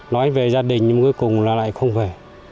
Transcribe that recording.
nói về gia đình nhưng cuối cùng là lại không về